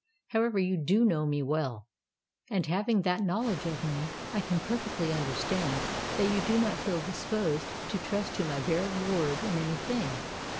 However, you do know me well—and, having that knowledge of me, I can perfectly understand that you do not feel disposed to trust to my bare word in any thing.